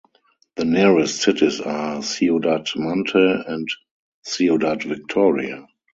The nearest cities are Ciudad Mante and Ciudad Victoria.